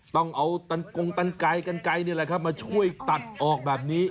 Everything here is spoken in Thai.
ต้องเอาตันกงตันไกลกันไกลนี่แหละครับมาช่วยตัดออกแบบนี้